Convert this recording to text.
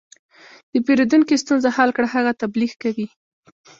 د پیرودونکي ستونزه حل کړه، هغه تبلیغ کوي.